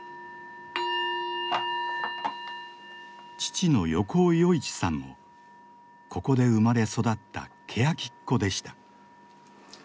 父の横尾與市さんもここで生まれ育ったケヤキっ子でした。